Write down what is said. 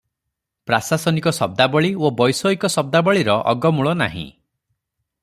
ପ୍ରାଶାସନିକ ଶବ୍ଦାବଳୀ ଓ ବୈଷୟିକ ଶବ୍ଦାବଳୀର ଅଗମୂଳ ନାହିଁ ।